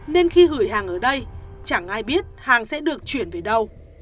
nên khi gửi hàng ở đây chẳng ai biết hàng sẽ được chuyển về đâu